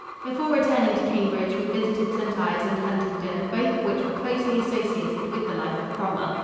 Before returning to Cambridge we visited St. Ives and Huntingdon, both of which were closely associated with the life of Cromwell.